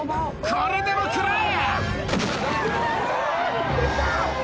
これでも食らえ！